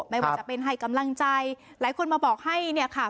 ไม่ว่าจะเป็นให้กำลังใจหลายคนมาบอกให้เนี่ยค่ะ